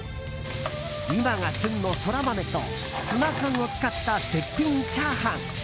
今が旬のソラマメとツナ缶を使った絶品チャーハン。